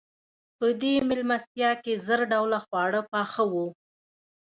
په دې مېلمستیا کې زر ډوله خواړه پاخه وو.